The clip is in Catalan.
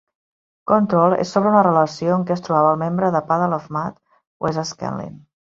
"Control" és sobre una relació en què es trobava el membre de Puddle of Mudd, Wes Scantlin.